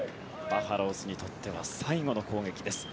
バファローズにとっては最後の攻撃です。